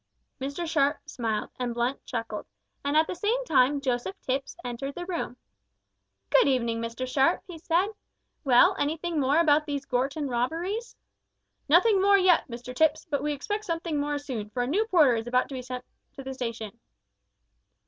Mr Sharp smiled and Blunt chuckled, and at the same time Joseph Tipps entered the room. "Good evening, Mr Sharp," he said. "Well, anything more about these Gorton robberies?" "Nothing more yet, Mr Tipps, but we expect something more soon, for a new porter is about to be sent to the station."